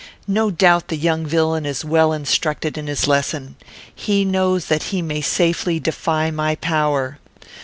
No doubt the young villain is well instructed in his lesson. He knows that he may safely defy my power.